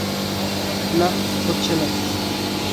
নাহ, হচ্ছে না।